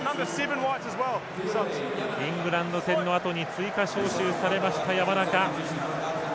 イングランド戦のあとに追加招集されました、山中。